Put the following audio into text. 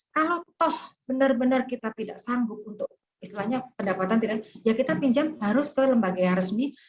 kalau toh benar benar kita tidak sanggup untuk istilahnya pendapatan ya kita pinjam harus ke lembaga yang resmi